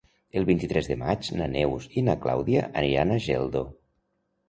El vint-i-tres de maig na Neus i na Clàudia aniran a Geldo.